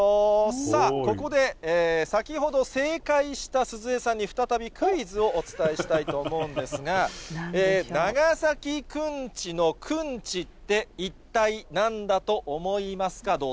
さあ、ここで先ほど、正解した鈴江さんにまた再びクイズをお伝えしたいと思うんですが、長崎くんちのくんちって一体なんだと思いますか？